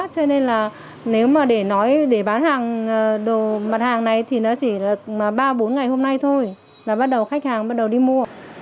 cho nên là nếu mà để nói để bán hàng đồ mặt hàng này thì nó chỉ là ba bốn ngày hôm nay thôi là bắt đầu khách hàng bắt đầu đi mua